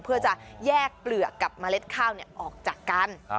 เพื่อจะแยกเปลือกกับเมล็ดข้าวออกจากกัน